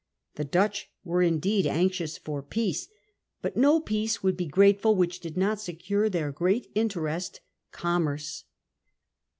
The Dutch were indeed anxious for peace. But no peace would be grateful which did not secure their great interest, commerce.